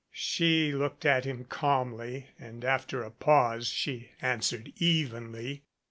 She looked at him calm ly and after a pause she answered evenly.